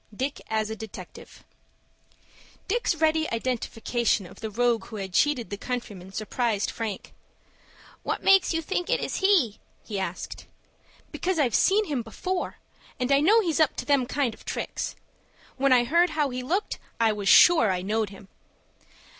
DICK AS A DETECTIVE Dick's ready identification of the rogue who had cheated the countryman, surprised Frank. "What makes you think it is he?" he asked. "Because I've seen him before, and I know he's up to them kind of tricks. When I heard how he looked, I was sure I knowed him."